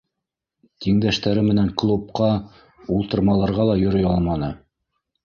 Тиңдәштәре менән клубҡа, ултырмаларға ла йөрөй алманы.